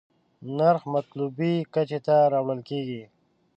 نرخ مطلوبې کچې ته راوړل کېږي.